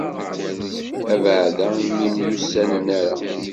Abeɛda imi ur myussanen ara.